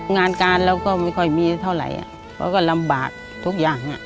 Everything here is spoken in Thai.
งานการเราก็ไม่ค่อยมีเท่าไหร่เขาก็ลำบากทุกอย่าง